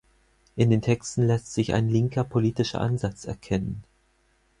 In den Texten lässt sich ein linker politischer Ansatz erkennen.